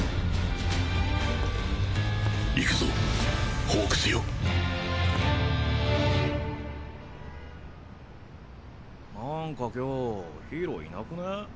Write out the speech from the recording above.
行くぞホークスよなんか今日ヒーローいなくね？